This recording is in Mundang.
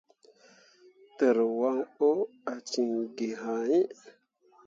Tǝrwaŋ bo ah cin gi haa yĩĩ.